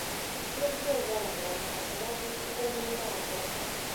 زه ژر ورغلم او د شرابو بوتل مې راوړ